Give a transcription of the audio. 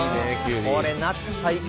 これ夏最高。